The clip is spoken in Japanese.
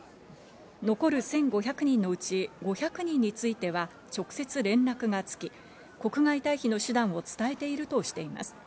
残る１５００人のうち５００人については直接連絡がつき、国外退避の手段を伝えているとしています。